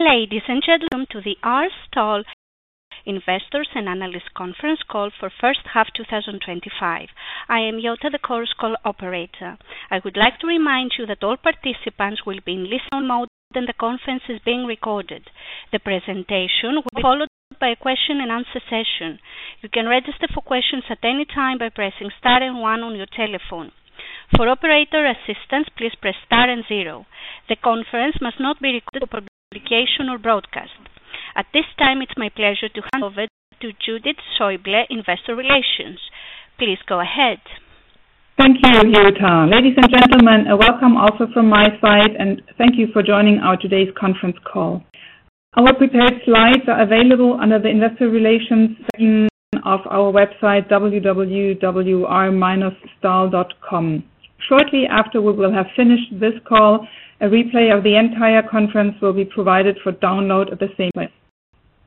Ladies and gentlemen welcome to the R. STAHL AG Investors and Analysts Conference call for the first half of 2025. I am Jutta, the call operator. I would like to remind you that all participants will be in listen mode and the conference is being recorded. The presentation will be followed by a question and answer session. You can register for questions at any time by pressing star and one on your telephone. For operator assistance, please press star and zero. The conference must not be recorded for publication or broadcast. At this time, it's my pleasure to hand over to Judith Schäuble, Investor Relations. Please go ahead. Thank you Jutta. Ladies and gentlemen, welcome also from my side and thank you for joining our today's conference call. Our prepared slides are available under the Investor Relations theme of our website, www.r-stahl.com. Shortly after we have finished this call, a replay of the entire conference will be provided for download at the same time.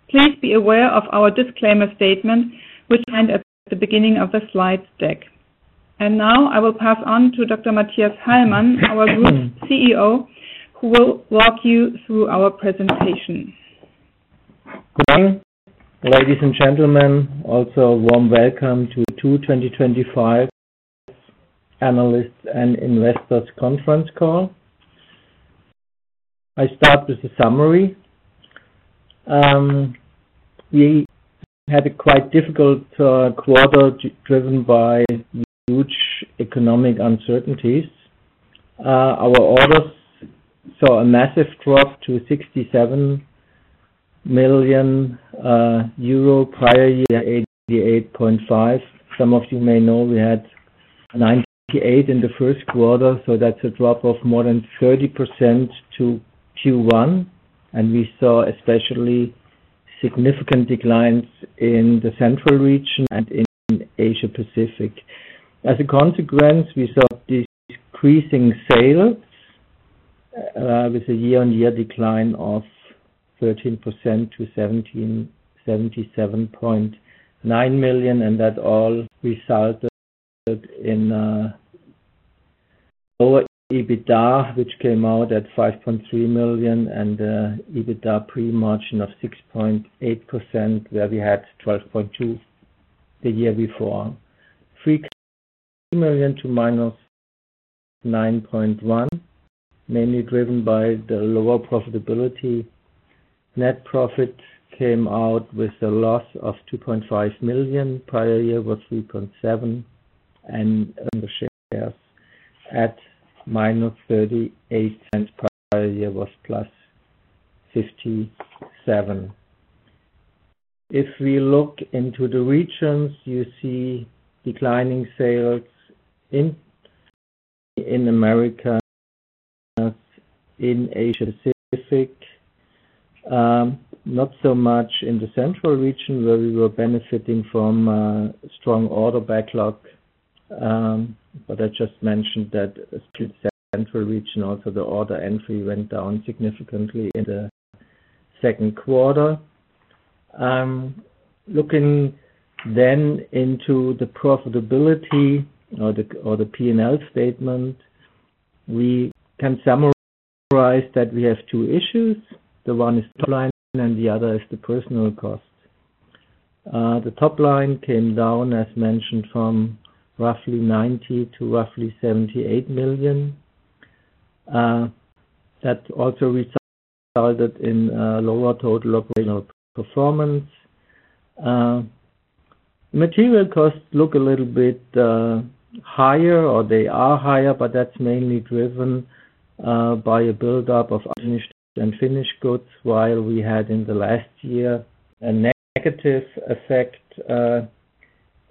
Please be aware of our disclaimer statement which you will find at the beginning of the slide deck. Now I will pass on to Dr. Mathias Hallmann, our Group CEO, who will walk you through our presentation. Good afternoon, ladies and gentlemen. Also, a warm welcome to the 2025 Analysts and Investors Conference call. I will start with the summary. We had a quite difficult quarter driven by huge economic uncertainties. Our orders saw a massive drop to €67 million, prior year €88.5 million. Some of you may know we had €98 million in the first quarter, so that's a drop of more than 30% to Q1. We saw especially significant declines in the Central Region and in Asia-Pacific. As a consequence, we saw decreasing sales with a year-on-year decline of 13% to €77.9 million and that all resulted in a lower EBITDA which came out at €5.3 million and an EBITDA pre-margin of 6.8% where we had 12.2% the year before. Free cash flow was €3 million to minus €9.1 million, mainly driven by the lower profitability. Net profits came out with a loss of €2.5 million, prior year of €3.7 million and the shares at minus €38, prior year was plus €57. If we look into the regions you see declining sales in America, Asia-Pacific, not so much in the Central Region where we were benefiting from a strong order backlog. I just mentioned that the Central Region also the order entry went down significantly in the second quarter. Looking then into the profitability or the P&L statement we can summarize that we have two issues. The one is the top line and the other is the personnel cost. The top line came down as mentioned from roughly €90 million to roughly €78 million. That also resulted in a lower total operational performance. Material costs look a little bit higher or they are higher, but that's mainly driven by a buildup of unfinished and finished goods while we had in the last year a negative effect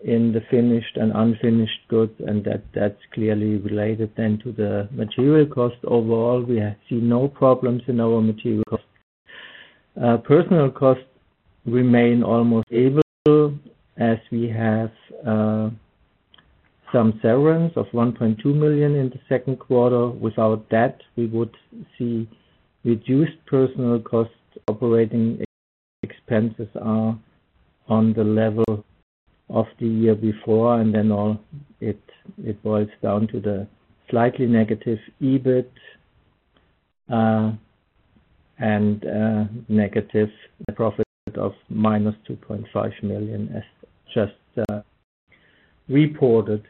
in the finished and unfinished goods. That's clearly related then to the material cost overall. We see no problems in our material cost. Personnel costs remain almost stable as we have some severance payments of €1.2 million in the second quarter. Without that we would see reduced personnel costs operating expenses are on the level of the year before and then all it boils down to the slightly negative EBIT and negative net profit of minus €2.5 million as just reported.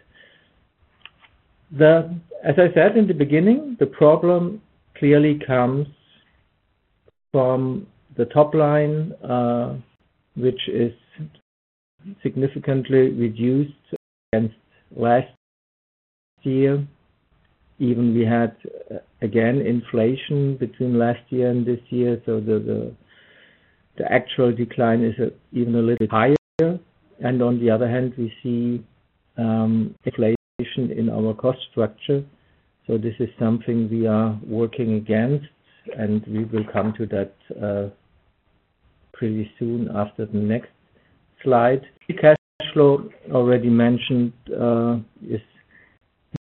As I said in the beginning, the problem clearly comes from the top line which is significantly reduced since last year. Even we had, again, inflation between last year and this year so the actual decline is even a little bit higher. On the other hand we see a deflation in our cost structure. This is something we are working against and we will come to that pretty soon after the next slide. Free cash flow, already mentioned, is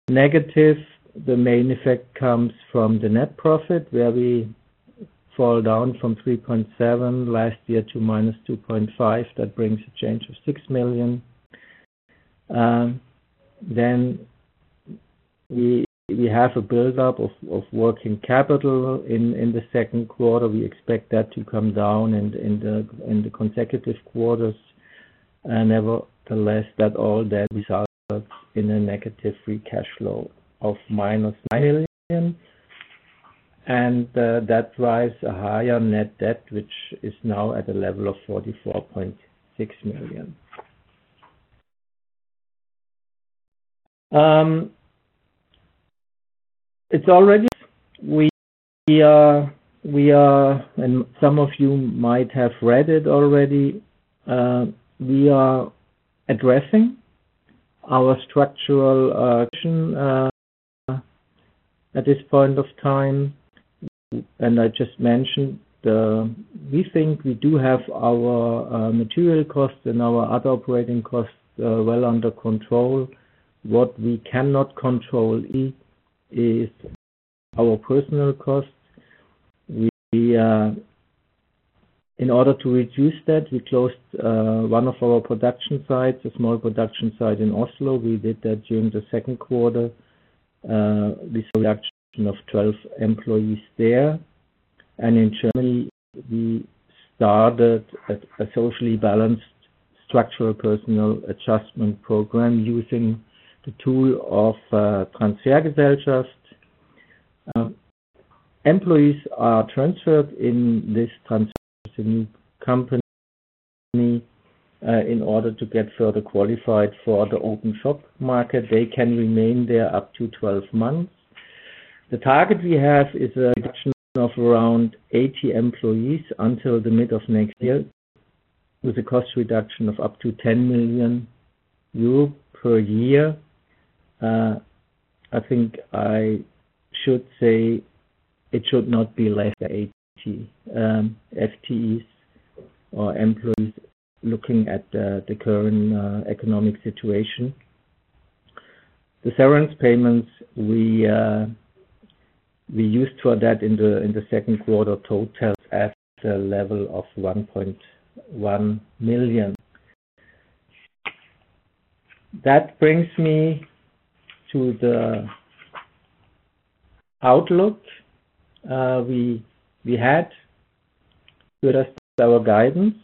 negative. The main effect comes from the net profit where we fall down from €3.7 million last year to minus €2.5 million that brings a change of €6 million. We have a buildup of working capital in the second quarter. We expect that to come down in the consecutive quarters. Nevertheless, all that results in a negative free cash flow of minus €9 million. That drives a higher net debt, which is now at a level of €44.6 million. Some of you might have read it already, we are addressing our structural condition at this point of time. I just mentioned we think we do have our material costs and our other operating costs well under control. What we cannot control is our personnel costs. In order to reduce that we closed one of our production sites, a small production site in Oslo. We did that during the second quarter, we saw a reduction of 12 employees there. In Germany, we started a socially balanced structural personnel adjustment program using the tool of Transfergesellschaft. Employees are transferred in this new company in order to get further qualified for the open shop market. They can remain there up to 12 months. The target we have is a reduction of around 80 employees until the middle of next year with a cost reduction of up to €10 million per year. I think I should say it should not be less than 80 FTEs or employees looking at the current economic situation. The severance payments we used for that in the second quarter totals at the level of €1.1 million. That brings me to the outlook we had with our guidance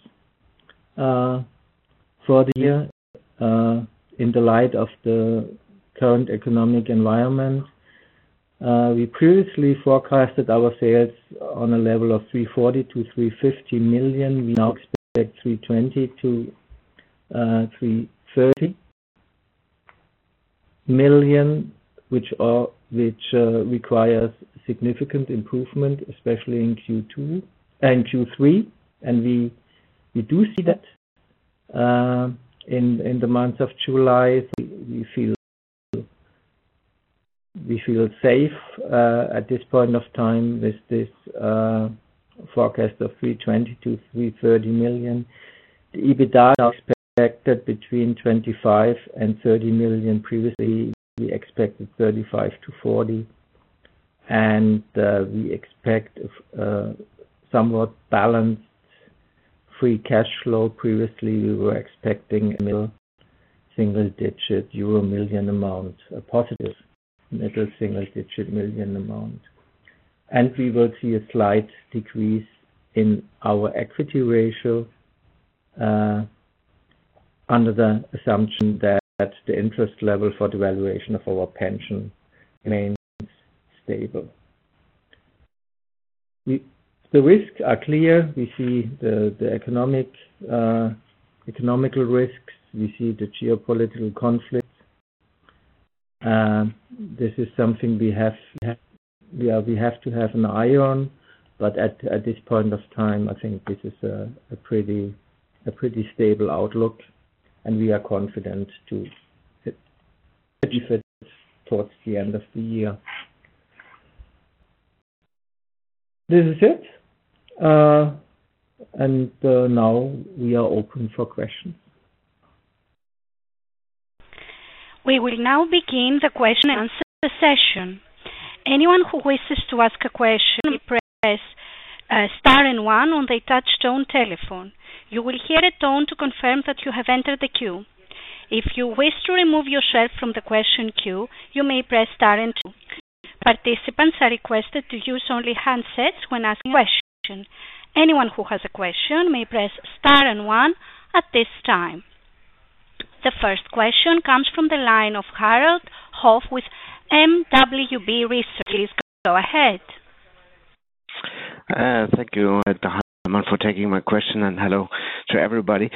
for the year in the light of the current economic environment. We previously forecasted our sales on a level of €340 million to €350 million. We now expect €320 million to €330 million which requires significant improvement especially in Q2 and Q3 and we do see that in the month of July, we feel safe at this point of time with this forecast of €320 million to €330 million. The EBITDA is expected between €25 million and €30 million. Previously, we expected €35 million to €40 millionand we expect a somewhat balanced free cash flow. Previously, we were expecting a middle single-digit euro million amount, a positive middle single-digit million amount. We will see a slight decrease in our equity ratio under the assumption that the interest level for the valuation of our pension remains stable. The risks are clear; we see the economic risk, we see the geopolitical conflict. This is something we have to have an eye on. At this point of time, I think this is a pretty stable outlook and we are confident to keep it towards the end of the year. This is it and now we are open for questions. We will now begin the question and answer session. Anyone who wishes to ask a question may press star and one on the touchstone telephone. You will hear a tone to confirm that you have entered the queue. If you wish to remove yourself from the question queue, you may press star and two. Participants are requested to use only handsets when asking questions. Anyone who has a question may press star and one at this time. The first question comes from the line of Harald Hoff with MWB Research. Please go ahead. Thank you, Dr. Hallmann for taking my question and hello to everybody.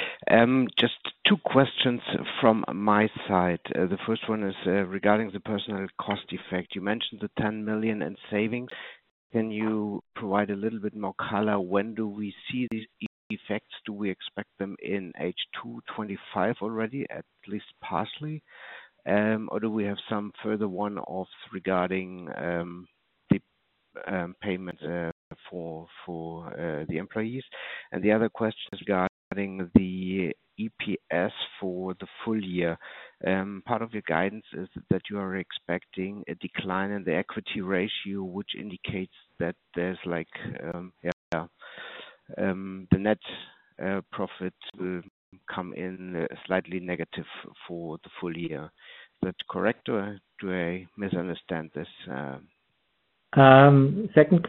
Just two questions from my side. The first one is regarding the personnel cost effect. You mentioned the $10 million in savings. Can you provide a little bit more color? When do we see these effects? Do we expect them in H2 2025 already, at least partially? Do we have some further one-offs regarding the payment for the employees? The other question is regarding the EPs for the full year earnings. Part of your guidance is that you are expecting a decline in the equity ratio which indicates that the net profit will come in slightly negative for the full year. Is that correct, or did I misunderstand this? Second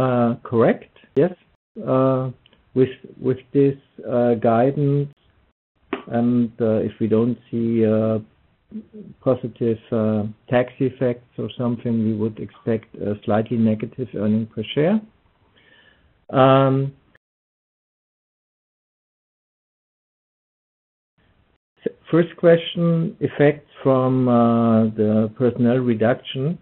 question, correct? Yes. With this guidance, and if we don't see positive tax effects or something we would expect a slightly negative earnings per share. First question, effects from the personnel reduction.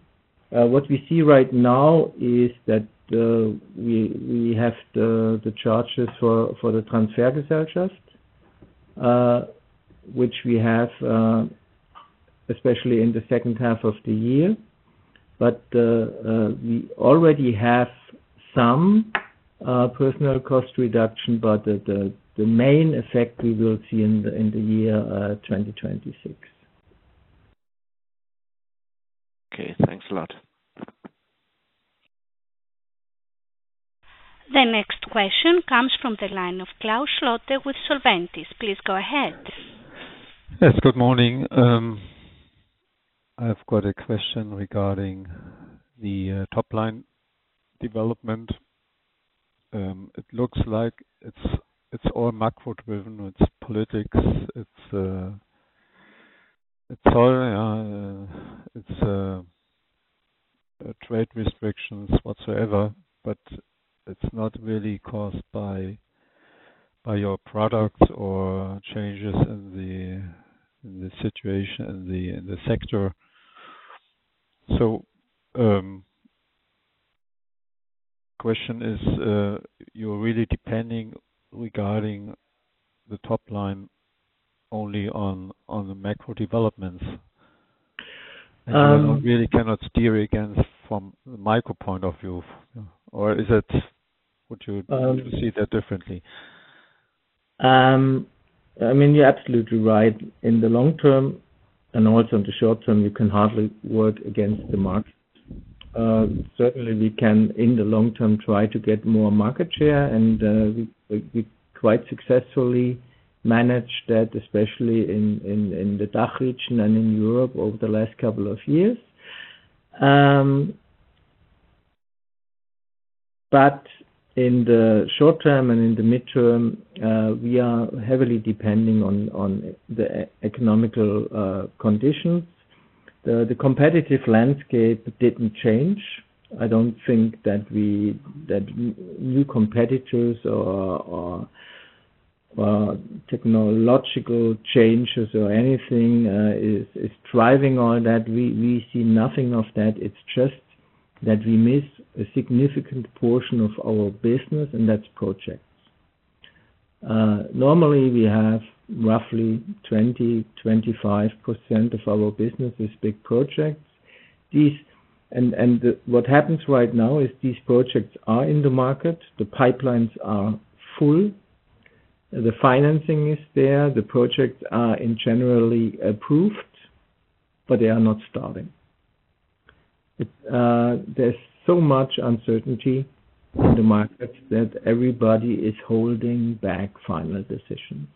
What we see right now is that we have the charges for the Transfergesellschaft, which we have especially in the second half of the year. We already have some personnel cost reduction, but the main effect we will see in the year 2026. Okay, thanks a lot. The next question comes from the line of Klaus Schlotter with Solventis. Please go ahead. Yes. Good morning. I've got a question regarding the top line development. It looks like it's all macro-driven, It's politics, It's all trade restrictions whatsoever but it's not really caused by your products or changes in the situation in the sector. The question is, you're really depending regarding the top line only on the macro developments. You really cannot steer against from the micro point of view or would you see that differently? I mean, you're absolutely right. In the long term and also in the short term we can hardly work against the market. Certainly, we can, in the long term try to get more market share and we quite successfully manage that especially in the DACH region and in Europe over the last couple of years. In the short term and in the midterm we are heavily depending on the economic conditions. The competitive landscape didn't change. I don't think that we have new competitors or technological changes or anything is driving all that we see nothing of that It's just that we miss a significant portion of our business and that's projects. Normally, we have roughly 20% to 25% of our business as big projects. What happens right now is these projects are in the market. The pipelines are full, the financing is there. The projects are generally approved, but they are not starting. There's so much uncertainty in the markets that everybody is holding back final decisions,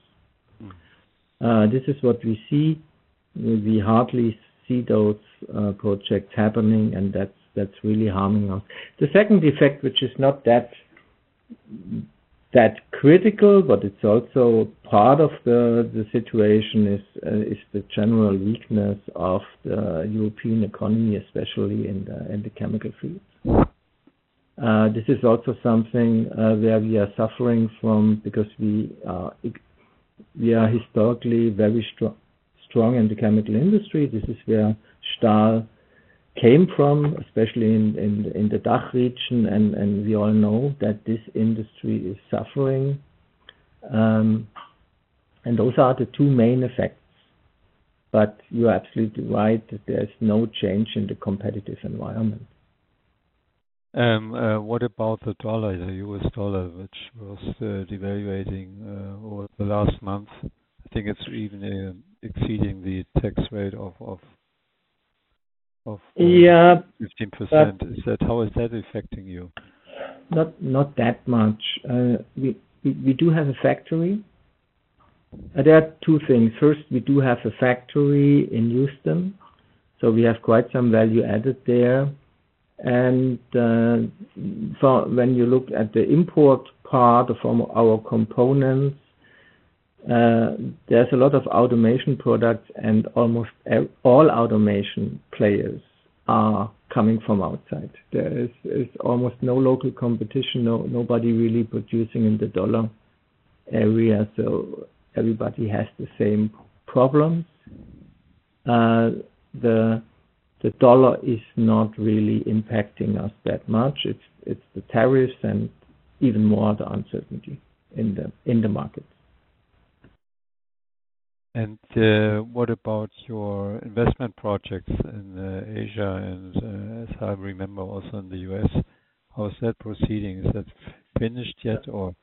this is what we see. We hardly see those projects happening and that's really harming us. The second effect, which is not that critical but it's also part of the situation is the general weakness of the European economy especially in the chemical fields. This is also something where we are suffering from because we are historically a very strong anti-chemical industry. This is where R. STAHL AG came from, especially in the DACH region and we all know that this industry is suffering, those are the two main effects. You're absolutely right that there's no change in the competitive environment. What about the U.S. dollar which was devaluating over the last month? I think it's even exceeding the tax rate of 15%. How is that affecting you? Not that much, we do have a factory. There are two things; First we do have a factory in Houston so we have quite some value added there. When you look at the import part from our components there's a lot of automation products and almost all automation players are coming from outside. There is almost no local competition nobody really producing in the dollar area. Everybody has the same problem. The dollar is not really impacting us that much. It's the tariffs and even more the uncertainty in the markets. What about your investment projects in Asia? As I remember, also in the U.S., how is that proceeding? Is that finished yet, or?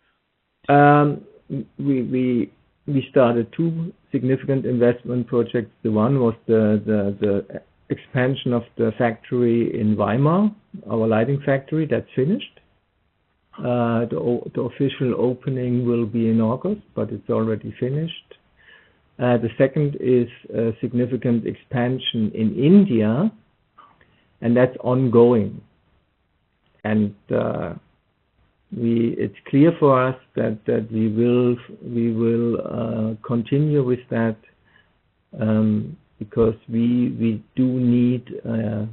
We started two significant investment projects. One was the expansion of the factory in Weimar, our lighting factory, that's finished. The official opening will be in August but it's already finished. The second is a significant expansion in India and that's ongoing. It is clear for us that we will continue with that because we do need a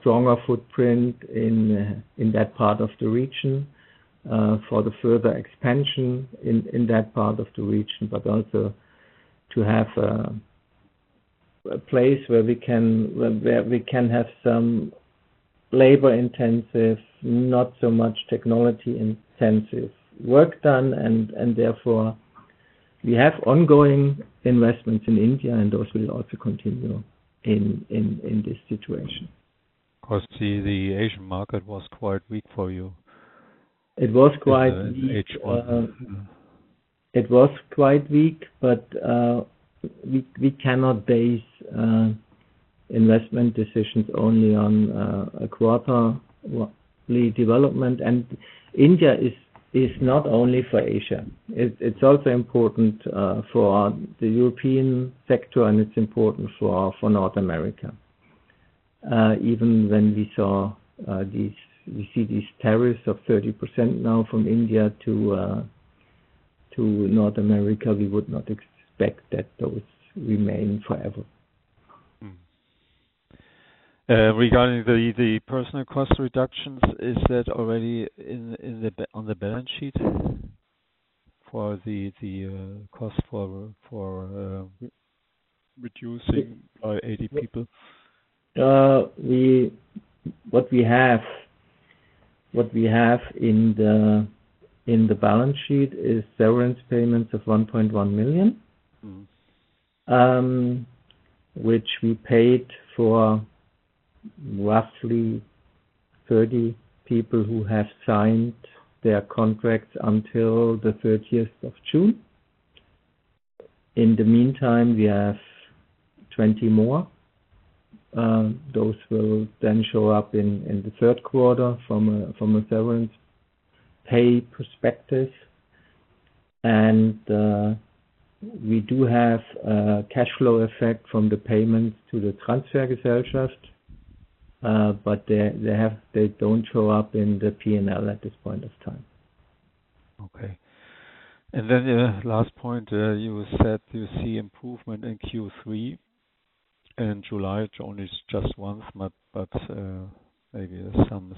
stronger footprint in that part of the region for the further expansion in that part of the region but also to have a place where we can have some labor-intensive, not so much technology-intensive work done. Therefore, we have ongoing investments in India, and those will also continue in this situation. Of course, the Asia-Pacific market was quite weak for you. It was quite weak but we cannot base investment decisions only on a quarterly development, India is not only for Asia. It's also important for the European sector and it's important for North America. Even when we saw these, we see these tariffs of 30% now from India to North America we would not expect that those remain forever. Regarding the personnel cost reductions, is that already on the balance sheet for the cost for reducing by 80 people? What we have in the balance sheet is severance payments of €1.1 million which we paid for roughly 30 people who have signed their contracts until the 30th of June. In the meantime, we have 20 more. Those will then show up in the third quarter from a severance pay perspective. We do have a cash flow effect from the payments to the Transfergesellschaft, but they don't show up in the P&L at this point of time. Okay. The last point, you said you see improvement in Q3. In July, June is just once but maybe there's some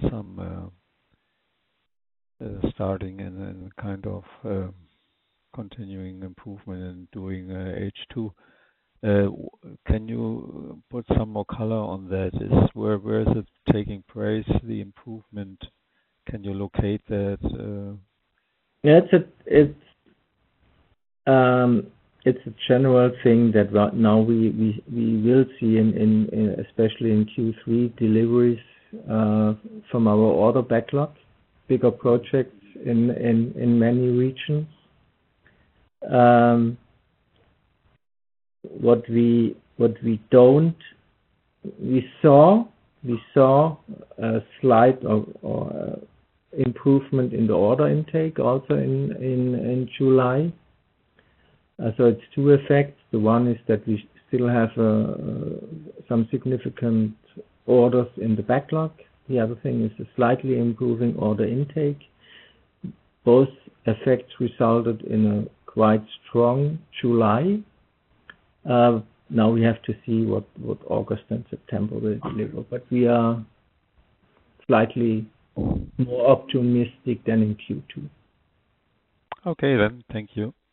starting and then kind of continuing improvement during H2. Can you put some more color on that? Where is it taking place the improvement? Can you locate that? Yeah. It's a general thing that right now we will see especially in Q3 deliveries from our order backlog, bigger projects in many regions. We saw a slight improvement in the order intake also in July. It's two effects; the one is that we still have some significant orders in the backlog, the other thing is a slightly improving order intake. Both effects resulted in a quite strong July. Now we have to see what August and September will deliver, but we are slightly more optimistic than in Q2. Okay then. Thank you. Thank you.